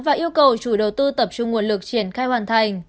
và yêu cầu chủ đầu tư tập trung nguồn lực triển khai hoàn thành